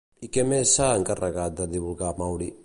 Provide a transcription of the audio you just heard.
I què més s'ha encarregat de divulgar Mauri?